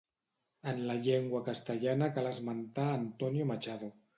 En la llengua castellana cal esmentar Antonio Machado.